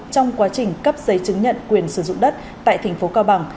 trong quá trình cấp giấy chứng nhận quyền sử dụng đất tại thành phố cao bằng